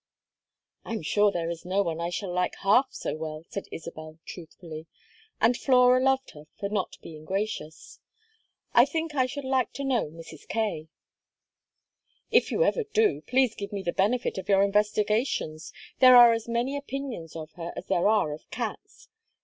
"I am sure there is no one I shall like half so well," said Isabel, truthfully; and Flora loved her for not being gracious. "I think I should like to know Mrs. Kaye." "If you ever do, please give me the benefit of your investigations. There are as many opinions of her as there are of cats.